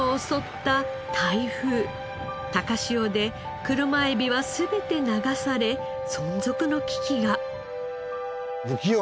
高潮で車エビは全て流され存続の危機が。